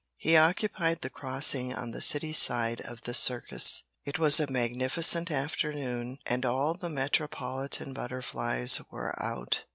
He occupied the crossing on the city side of the circus. It was a magnificent afternoon, and all the metropolitan butterflies were out.